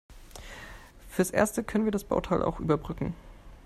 Fürs Erste können wir das Bauteil auch überbrücken.